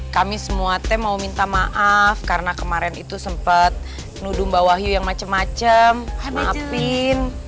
kami semua teh mau minta maaf karena kemarin itu sempet nudung bahwa yang macem macem maafin